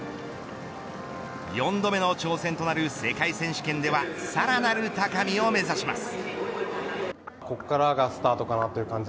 ４度目の挑戦となる世界選手権ではさらなる高みを目指します。